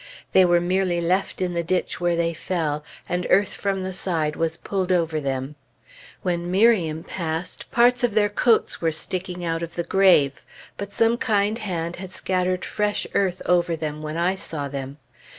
They were merely left in the ditch where they fell, and earth from the side was pulled over them. When Miriam passed, parts of their coats were sticking out of the grave; but some kind hand had scattered fresh earth over them when I saw them.